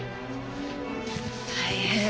大変。